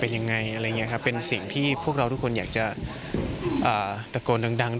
ยังไงอะไรเงี้ยเขาเป็นสิ่งที่พวกเราทุกคนอยากจะตะโกน